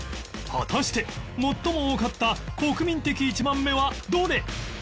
果たして最も多かった国民的１番目はどれ？